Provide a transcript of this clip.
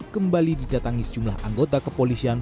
kembali didatangi sejumlah anggota kepolisian